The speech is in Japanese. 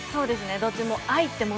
どっちも。